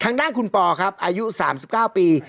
ทางด้านคุณปอครับอายุ๓๙ปี